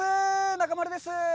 中丸です。